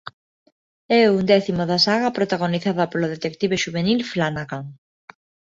É o undécimo da saga protagonizada polo detective xuvenil Flanagan.